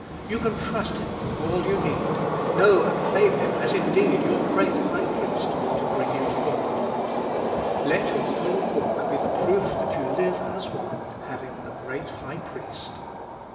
You can trust Him for all you need, know and claim Him as indeed your great High Priest, to bring you to God. Let your whole walk be the proof that you live as one, having a great High Priest.